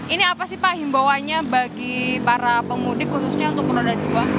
ini apa sih pak himbauannya bagi para pemudik khususnya untuk roda dua